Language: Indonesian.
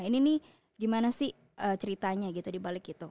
ini nih gimana sih ceritanya gitu dibalik itu